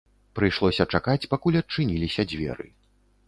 Прыйшлося чакаць, пакуль адчыніліся дзверы.